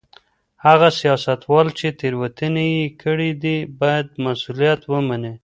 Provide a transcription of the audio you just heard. هغه سياستوال چي تېروتني يې کړې دي بايد مسؤليت ومني.